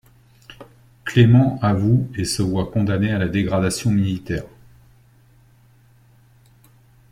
Clément avoue et se voit condamné à la dégradation militaire.